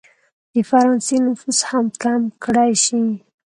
د فرانسې نفوذ هم کم کړه شي.